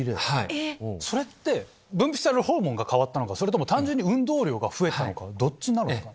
それって分泌されるホルモンが変わったのかそれとも単純に運動量が増えたのかどっちなのかな。